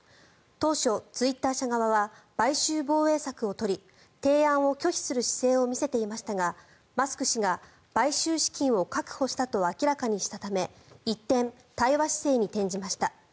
当初、ツイッター社側は買収防衛策を取り提案を拒否する姿勢を見せていましたがマスク氏が買収資金を確保したと明らかにしたため一転、対話姿勢に転じました。